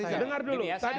saya mengalami itu